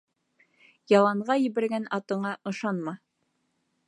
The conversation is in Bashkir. Яланға ебәргән атыңа ышанма